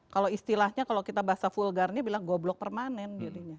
kalau istilahnya kalau kita bahasa vulgarnya bilang goblok permanen jadinya